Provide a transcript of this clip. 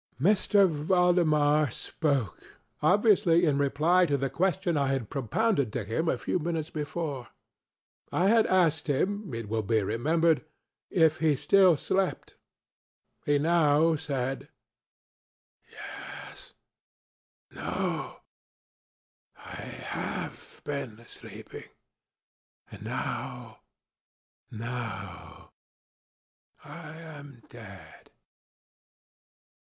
M. Valdemar spokeŌĆöobviously in reply to the question I had propounded to him a few minutes before. I had asked him, it will be remembered, if he still slept. He now said: ŌĆ£Yes; ŌĆöno; ŌĆöI have been sleepingŌĆöand nowŌĆönowŌĆöI am dead.